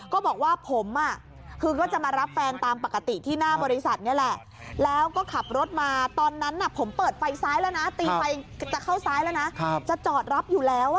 ก็บอกว่าผมคือก็จะมารับแฟนตามปกติที่หน้าบริษัทนี่แหละ